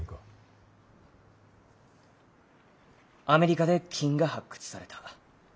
アメリカで金が発掘された。